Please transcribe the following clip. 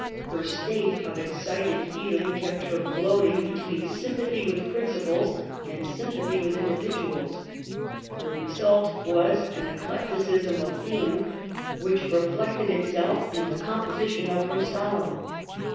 Her state of excited feeling kept her floating between Digitized by VjOOQIC 84 MADAME DE STAEL sympathy with principles and sympathy with individuals. The result was an eclecticism of feeling, which reflected itself in the composition of her salon.